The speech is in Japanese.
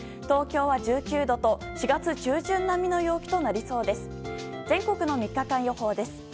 東京は１９度と、４月中旬並みの陽気となりそうです。